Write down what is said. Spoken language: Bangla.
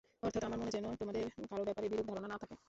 অর্থাৎ আমার মনে যেন তোমাদের কারো ব্যাপারে বিরূপ ধারণা না থাকে।